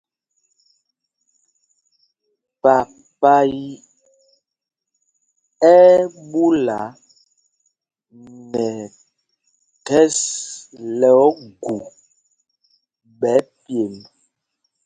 Papa ɛ́ ɛ́ ɓúla nɛ ɛkhɛs lɛ ogu ɓɛ pyemb.